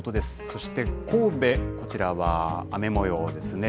そして神戸、こちらは雨もようですね。